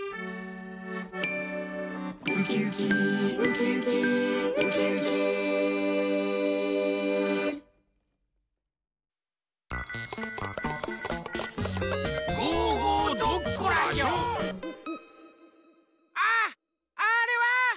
ウキウキウキウキウキウキあっあれは！